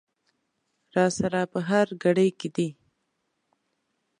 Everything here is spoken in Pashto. را سره په هر ګړي دي